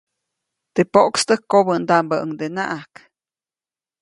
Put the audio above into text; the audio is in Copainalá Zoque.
Teʼ poʼkstäk kobändaʼmbäʼuŋdenaʼak.